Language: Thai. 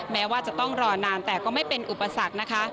แม้ว่าจะต้องรอนานแต่ก็ไม่เป็นอุปสรรคนะคะ